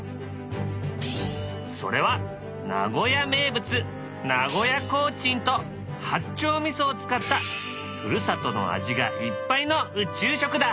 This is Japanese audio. それは名古屋名物名古屋コーチンと八丁味噌を使ったふるさとの味がいっぱいの宇宙食だ。